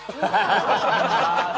ハハハハ！